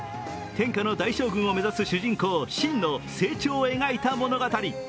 天下の大将軍を目指す主人公・信の成長を描いた物語。